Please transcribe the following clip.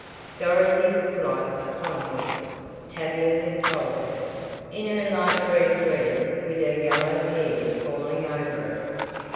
Dorothy looked like a pond lily, Tavia had told her, in her light green dress with her yellow hair falling over it.